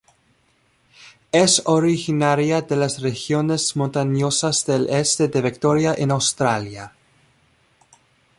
Es originaria de las regiones montañosas del este de Victoria en Australia.